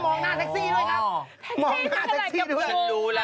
หนูว่าเพราะเขาว่าโอ้ถ้าเป็นพี่ชาวเจอพี่ชาวก็ต้องจอดแหละ